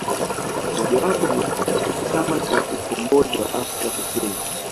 Moja wapo ni Chama cha ukombozi wa afrika Kusini